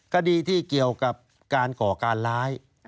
คดีที่เกี่ยวกับการก่อการร้าย